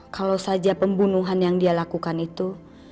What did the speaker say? kalau saja pembunuhan yang dia lakukan itu